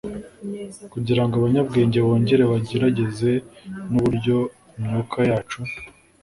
kugirango abanyabwenge bongere bagerageze; nuburyo imyuka yacu